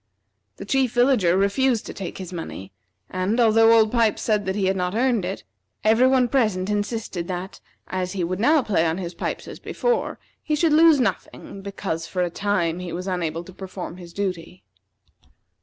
The Chief Villager refused to take his money, and, although Old Pipes said that he had not earned it, every one present insisted that, as he would now play on his pipes as before, he should lose nothing, because, for a time, he was unable to perform his duty.